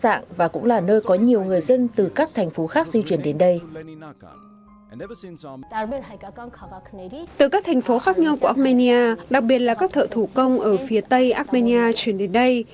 các loạt rèn khác nhau của armenia đặc biệt là các thợ thủ công ở phía tây armenia chuyển đến đây